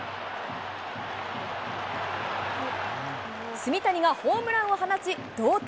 炭谷がホームランを放ち、同点。